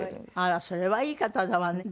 あらそれはいい方だわね。